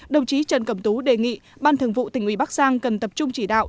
đồng chí trần cẩm tú đề nghị ban thường vụ tỉnh ủy bắc giang cần tập trung chỉ đạo